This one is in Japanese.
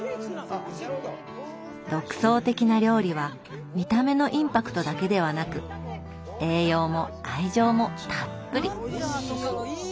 独創的な料理は見た目のインパクトだけではなく栄養も愛情もたっぷり。